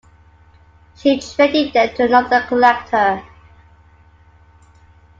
She traded them to another collector.